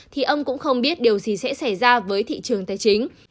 thì ông cũng không biết điều gì sẽ xảy ra với thị trường tài chính